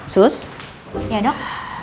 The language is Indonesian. sus ya dok